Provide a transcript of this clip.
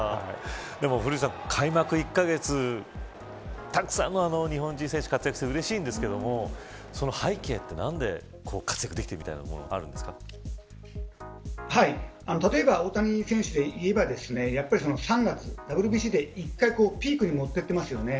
でも古市さん、開幕１カ月たくさんの日本人選手活躍してくれてうれしいんですけどその背景って何で活躍できているみたいなものが例えば、大谷選手でいえばやっぱり３月、ＷＢＣで１回ピークに持っていってますよね。